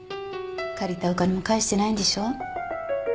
借りたお金も返してないんでしょ？